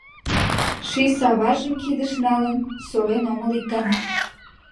Ший саважым кидыш налын, Солен омыл ик ганат.